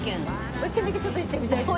もう一軒だけちょっと行ってみたいですね。